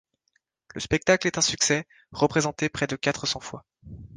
Le spectacle est un succès, représenté près de quatre cents fois.